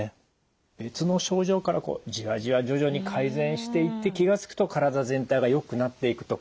別の症状からじわじわ徐々に改善していって気が付くと体全体がよくなっていくと。